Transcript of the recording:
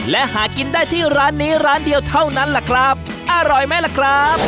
และหากินได้ที่ร้านนี้ร้านเดียวเท่านั้นแหละครับอร่อยไหมล่ะครับ